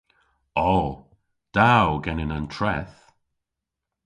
O. Da o genen an treth!